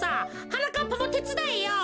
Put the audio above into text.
はなかっぱもてつだえよ。